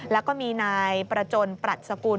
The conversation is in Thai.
แล้วก็มีนายประจนปรัชสกุล